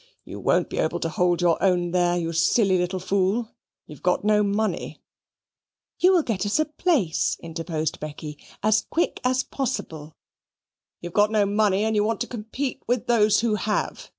You won't be able to hold your own there, you silly little fool. You've got no money." "You will get us a place," interposed Becky, "as quick as possible." "You've got no money, and you want to compete with those who have.